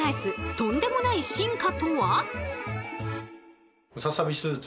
とんでもない進化とは？